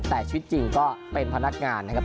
แต่ชีวิตจริงก็เป็นพนักงานนะครับ